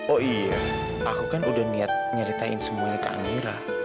oh iya aku kan udah niat nyeritain semuanya ke amirah